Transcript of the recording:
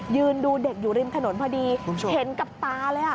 ยืนดูเด็กอยู่ริมถนนพอดีเห็นกับตาเลย